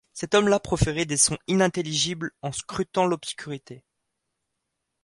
Cet homme-là proférait des sons inintelligibles en scrutant l’obscurité.